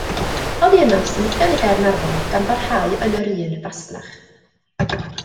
Oddi yno symudodd i Gaernarfon gan barhau yn yr un fasnach.